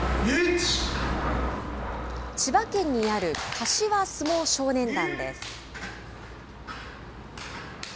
千葉県にある柏相撲少年団です。